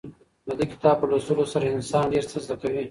د دې کتاب په لوستلو سره انسان ډېر څه زده کوي.